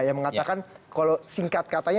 yang mengatakan kalau singkat katanya